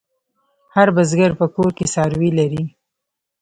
هر بزگر په کور کې څاروي لري.